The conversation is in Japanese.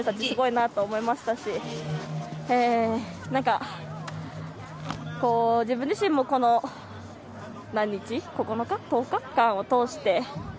すごいなと思いましたしなんか、自分自身もこの何日９日、１０日間を通して。